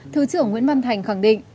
thứ trưởng nguyễn văn thành khẳng định